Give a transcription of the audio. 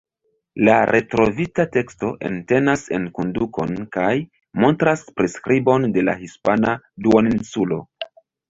La retrovita teksto entenas enkondukon kaj montras priskribon de la hispana duoninsulo.